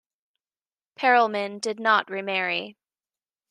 Perelman did not remarry.